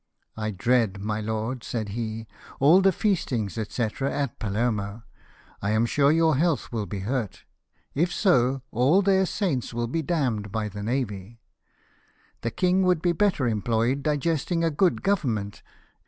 " I dread, my lord," said he, " all the feasting, &c., at Palermo. I am sure your health will be hurt. If so, all their saints will be damned by the Navy. The king would be better employed digesting a good government.